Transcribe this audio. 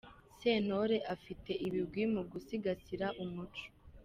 Sentore afite ibigwi mu gusigasira umuco.